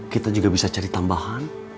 kita juga bisa cari tambahan